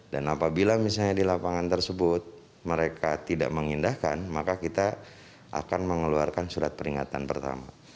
dan apabila misalnya di lapangan tersebut mereka tidak mengindahkan maka kita akan mengeluarkan surat peringatan pertama